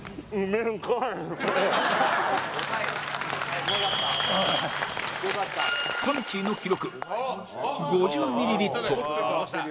みちぃの記録５０ミリリットル